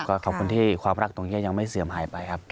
ก็ขอบคุณที่ความรักตรงนี้ยังไม่เสื่อมหายไปครับ